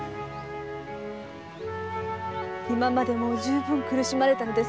今までもう十分に苦しまれたのですから。